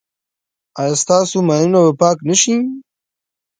ایا ستاسو ماینونه به پاک نه شي؟